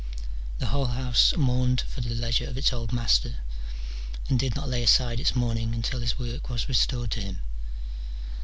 The whole house mourned for the leisure of its old master, and did not lay aside its mourning Tintil his work was restored to him.